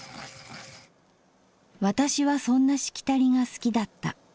「私はそんなしきたりが好きだった。